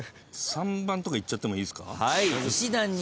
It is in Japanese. ３番とかいっちゃってもいいですか？